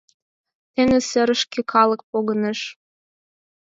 Теҥыз серышке калык погыныш.